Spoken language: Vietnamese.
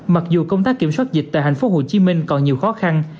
mặc dù công tác kiểm soát dịch tại thành phố hồ chí minh còn nhiều khó khăn